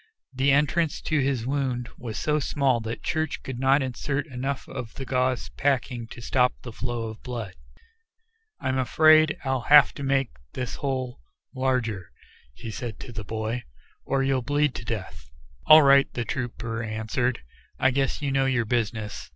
The entrance to his wound was so small that Church could not insert enough of the gauze packing to stop the flow of blood. "I'm afraid I'll have to make this hole larger," he said to the boy, "or you'll bleed to death." "All right," the trooper answered, "I guess you know your business."